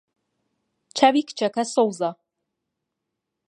چاوی کچەکە سەوزە.